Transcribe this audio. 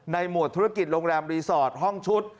หมวดธุรกิจโรงแรมรีสอร์ทห้องชุด